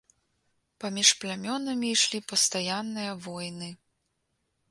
Паміж плямёнамі ішлі пастаянныя войны.